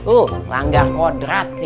oh langga kodrat ya